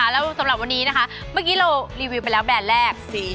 แล้วสำหรับวันนี้นะคะเมื่อกี้เรารีวิวไปแล้วแบรนด์แรก